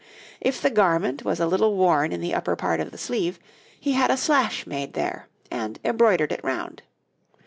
If the garment was a little worn in the upper part of the sleeve, he had a slash made there, and embroidered it round.